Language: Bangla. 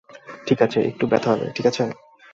ঠিক আছে একটু ব্যথা পাবে ঠিক আছে?